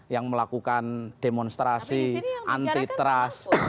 yang melakukan demonstrasi antitrust